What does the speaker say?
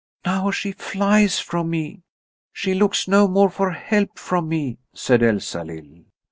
"Now she flies from me. She looks no more for help from me," said Elsalill.